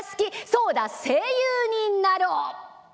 そうだ声優になろう」。